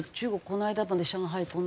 この間まで上海